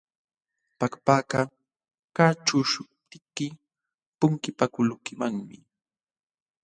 Pakpaka kaćhuqśhuptiyki punkipakuqlunkimanmi.